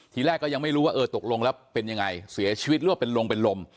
ทีแรกก็ยังไม่รู้ว่าเออตกลงแล้วเป็นยังไงเสียชีวิตหรือว่าเป็นลงเป็นลม